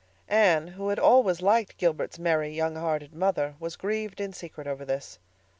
Anne, who had always liked Gilbert's merry, young hearted mother, was grieved in secret over this.